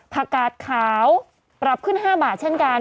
กาดขาวปรับขึ้น๕บาทเช่นกัน